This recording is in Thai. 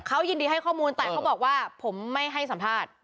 เขายินดีให้ข้อมูลแต่เขาบอกว่าผมไม่ให้สัมภาษณ์